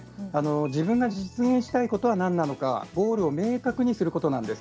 自分が実現したいことは何なのかゴールを明確にすることなんです。